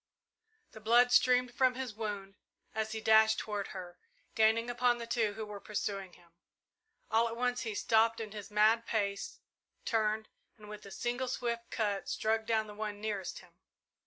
The blood streamed from his wound as he dashed toward her, gaining upon the two who were pursuing him. All at once he stopped in his mad pace, turned, and with a single swift cut struck down the one nearest him.